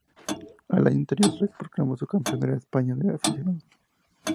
El año anterior se proclamó subcampeón de España de aficionados.